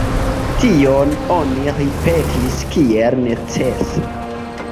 Tion oni ripetis kiel necese.